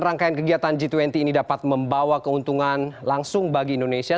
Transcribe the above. rangkaian kegiatan g dua puluh ini dapat membawa keuntungan langsung bagi indonesia